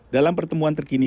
dalam pertemuan terkini